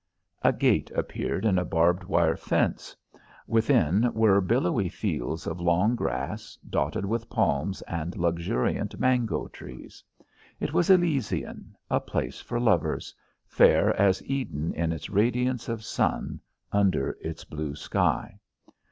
A gate appeared in a barbed wire fence. Within were billowy fields of long grass, dotted with palms and luxuriant mango trees. It was Elysian a place for lovers, fair as Eden in its radiance of sun, under its blue sky.